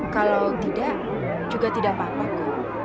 kalau tidak juga tidak apa apa kok